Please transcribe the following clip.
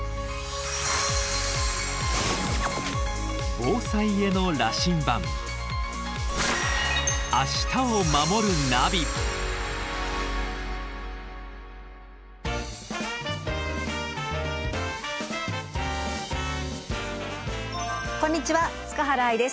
防災への羅針盤こんにちは塚原愛です。